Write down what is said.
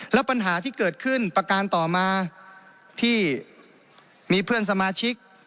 แล้วปัญหาที่เกิดขึ้นประการต่อมาที่มีเพื่อนสมาชิก